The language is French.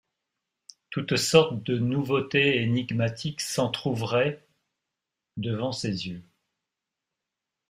Toutes sortes de nouveautés énigmatiques s’entr’ouvraient devant ses yeux.